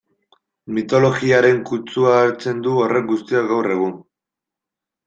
Mitologiaren kutsua hartzen du horrek guztiak gaur egun...